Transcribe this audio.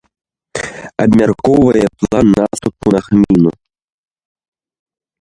Абмяркоўвае план наступу на гміну.